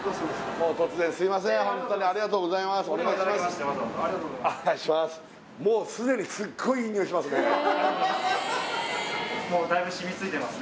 もうありがとうございます